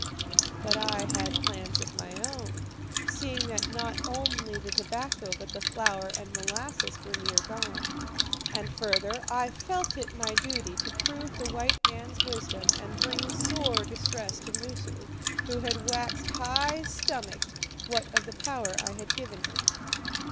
"But I had plans of my own, seeing that not only the tobacco but the flour and molasses were near gone. And further, I felt it my duty to prove the white man's wisdom and bring sore distress to Moosu, who had waxed high stomached, what of the power I had given him.